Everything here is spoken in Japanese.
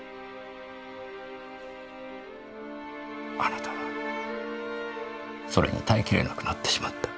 あなたはそれに耐え切れなくなってしまった。